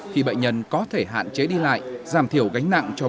khi bệnh nhân có thể hạn chế đi lại giảm thiểu gánh nặng cho bệnh